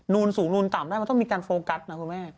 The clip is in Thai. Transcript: นูนสูงนูนต่ำได้มันต้องมีการโฟกัสนะคุณแม่